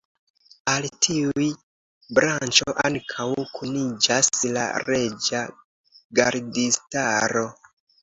Al tiuj branĉo ankaŭ kuniĝas la Reĝa Gardistaro.